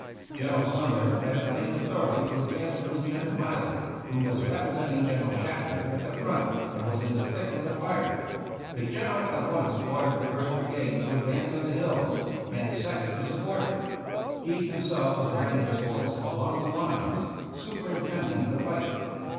General Sumner had obtained authority to advance from Lieutenant Miley, who was representing General Shafter at the front, and was in the thick of the fire. The General at once ordered the first brigade to advance on the hills, and the second to support it. He himself was riding his horse along the lines, superintending the fight.